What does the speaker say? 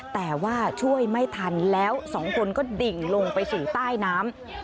แต่ว่าช่วยไม่ทันแล้วสองคนก็ดิ่งลงไปสู่ใต้น้ำ